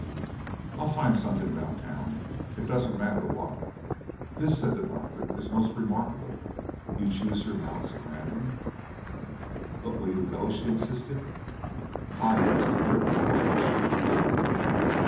"I'll find something about town; it doesn't matter what." "This," said the doctor, "is most remarkable. You choose your mounts at random?" "But you will go?" she insisted. "Ah, yes, the trip to the ranch!" groaned the doctor.